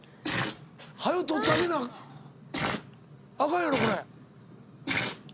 早取ってあげなアカンやろこれ。